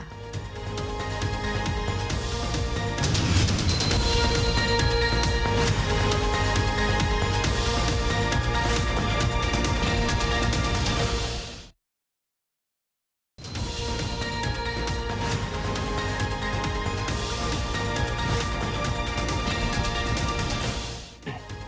อัพมครับ